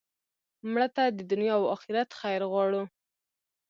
مړه ته د دنیا او آخرت خیر غواړو